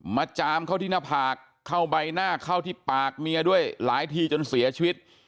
จามเข้าที่หน้าผากเข้าใบหน้าเข้าที่ปากเมียด้วยหลายทีจนเสียชีวิต